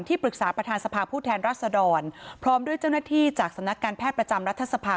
ปรึกษาประธานสภาผู้แทนรัศดรพร้อมด้วยเจ้าหน้าที่จากสำนักการแพทย์ประจำรัฐสภา